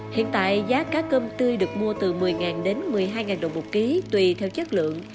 hiện tại giá cá cơm tươi được mua từ một mươi đến một mươi hai đồng một ký tùy theo chất lượng